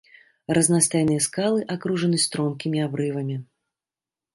Разнастайныя скалы акружаны стромкімі абрывамі.